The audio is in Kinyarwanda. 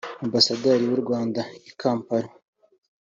Ambasaderi w’u Rwanda I Kampala